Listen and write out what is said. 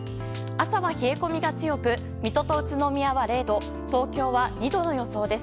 朝は冷え込みが強く水戸と宇都宮は０度東京は２度の予想です。